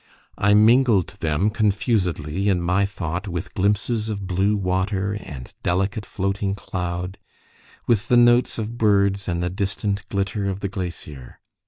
I mingled them confusedly in my thought with glimpses of blue water and delicate floating cloud, with the notes of birds and the distant glitter of the glacier.